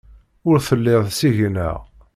Ur telliḍ seg-neɣ.